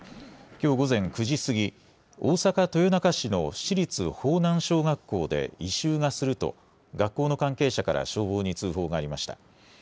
きょう午前９時過ぎ、大阪豊中市の市立豊南小学校で異臭がすると学校の関係者から消防に通報がありました。